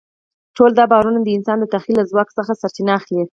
ټول دا باورونه د انسان د تخیل له ځواک څخه سرچینه اخلي.